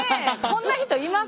こんな人います？